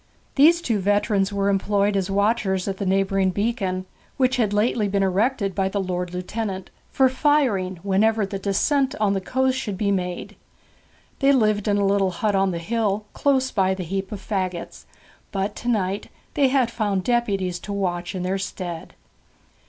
These two veterans were employed as watchers at the neighbouring beacon, which had lately been erected by the Lord Lieutenant for firing whenever the descent on the coast should be made. They lived in a little hut on the hill, close by the heap of faggots; but to night they had found deputies to watch in their stead.